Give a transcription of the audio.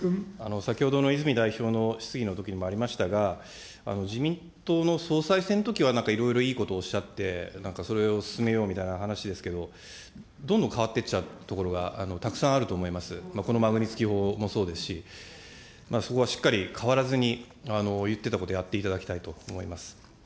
先ほどの泉代表の質疑のときにもありましたが、自民党の総裁選のときはなんかいろいろいいことをおっしゃって、なんか、それを進めようみたいな話ですが、どんどん変わっていっちゃうところがたくさんあると思います、このマグニツキー法もそうですし、そこはしっかり変わらずに、言ってたことをやっていただきたいと思います。